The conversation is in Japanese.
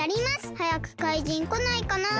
はやくかいじんこないかなあ。